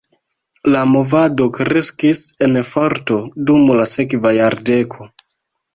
La movado kreskis en forto dum la sekva jardeko.